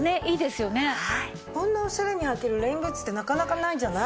こんなオシャレに履けるレインブーツってなかなかないじゃない？